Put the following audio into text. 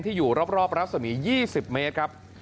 อยู่รอบรัศมี๒๐เมตรครับ